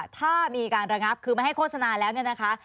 ถ้ามีการระงับคือไม่ให้โฆษณาแล้วเนี่ยนะคะ